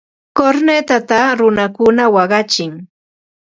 Kurnitata runakuna waqachin.